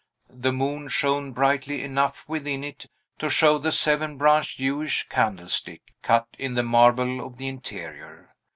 The moon shone brightly enough within it to show the seven branched Jewish candlestick, cut in the marble of the interior.